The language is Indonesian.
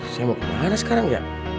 sampai jumpa lagi